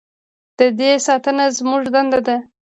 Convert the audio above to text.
د دې ساتنه زموږ دنده ده